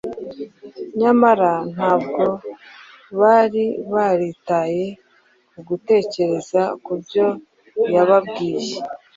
nyamara ntabwo bari baritaye ku gutekereza ku byo yababwiye.